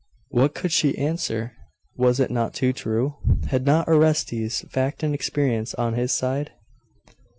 What could she answer? Was it not too true? and had not Orestes fact and experience on his side?